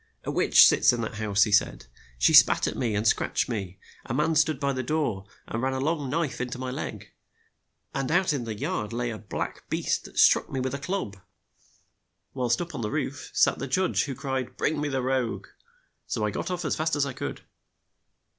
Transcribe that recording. "A witch sits in the house," he said. "She spat at me, and scratched me ; a man stood by the door and ran a long knife in to my leg ; and out in the yard lay a black beast that struck me with a club, while up on the roof sat 58 THE THREE SPINNERS the judge, who cried, ' Bring me the rogue ;' so I got off as fast as I could."